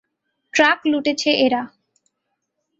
Truck লুটেছে এরা।